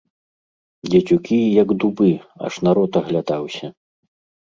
Дзецюкі, як дубы, аж народ аглядаўся.